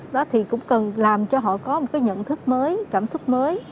đó thì cũng cần làm cho họ có một cái nhận thức mới cảm xúc mới